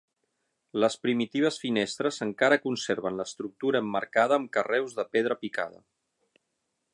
Les primitives finestres encara conserven l'estructura emmarcada amb carreus de pedra picada.